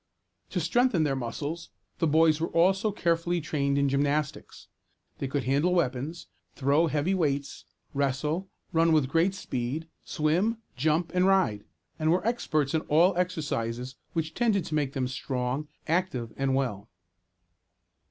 To strengthen their muscles, the boys were also carefully trained in gymnastics. They could handle weapons, throw heavy weights, wrestle, run with great speed, swim, jump, and ride, and were experts in all exercises which tended to make them strong, active, and well.